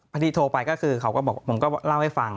พอดีโทรไปก็คือเขาก็บอกผมก็เล่าให้ฟัง